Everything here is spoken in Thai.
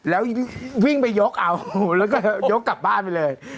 แล้ววิ่งไปยกเอาแล้วก็ยกกลับบ้านไปเลย